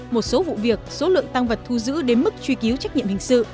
một số vụ việc số lượng tăng vật thu giữ đến mức truy cứu trách nhiệm hình sự